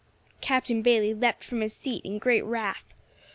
Captain Bayley leapt from his seat in great wrath.